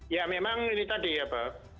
ya memang ini tadi ya pak